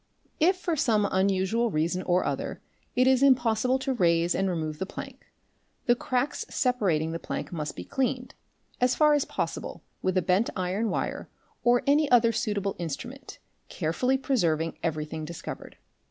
, If for some unusual reason or other, it is impossible to raise and remove the plank, the cracks separating the plank must. be cleaned, as far _ as possible with a bent iron wire or any other suitable instrument, care | fully preserving everything discovered.